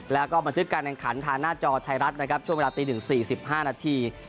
แล้วก็บันทึกการแข่งขันทางหน้าจอไทยรัฐนะครับช่วงเวลาตี๑๔๕นาที